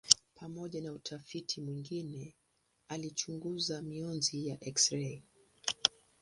Pamoja na utafiti mwingine alichunguza mionzi ya eksirei.